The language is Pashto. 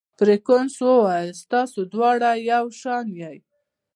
فرګوسن وویل: تاسي دواړه یو شان یاست.